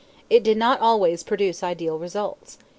It did not always produce ideal results.